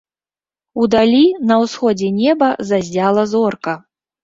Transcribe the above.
Удалі, на ўсходзе неба, заззяла зорка.